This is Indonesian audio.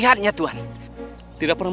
ini adalah perbedaan